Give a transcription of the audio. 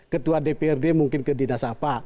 ketua dprd mungkin ke dinas apa